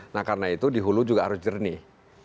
nah karena itu di hulu juga harus jernih